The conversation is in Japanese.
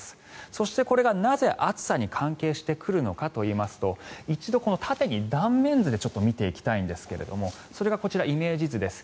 そして、これがなぜ暑さに関係してくるのかといいますと一度、縦に断面図で見ていきたいんですがそれがこちら、イメージ図です。